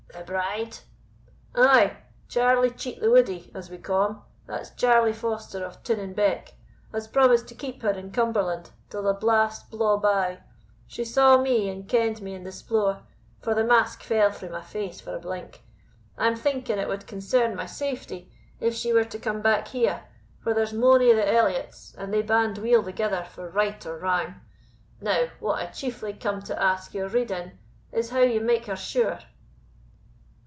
"The bride?" "Ay; Charlie Cheat the Woodie, as we ca' him, that's Charlie Foster of Tinning Beck, has promised to keep her in Cumberland till the blast blaw by. She saw me, and kend me in the splore, for the mask fell frae my face for a blink. I am thinking it wad concern my safety if she were to come back here, for there's mony o' the Elliots, and they band weel thegither for right or wrang. Now, what I chiefly come to ask your rede in, is how to make her sure?"